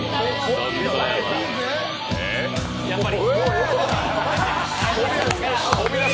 やっぱり。